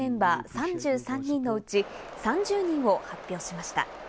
３３人のうち３０人を発表しました。